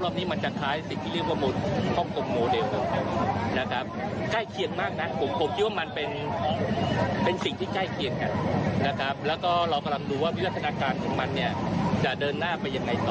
แล้วก็เรากำลังดูว่าวิวัฒนาการของมันจะเดินหน้าไปยังไงต่อ